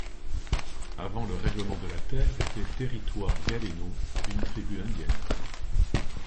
Avant le règlement de la terre était Territoire Gualeno, une tribu indienne.